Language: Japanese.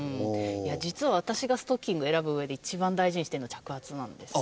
実は私がストッキングを選ぶうえで一番大事にしてるのは着圧なんですよ。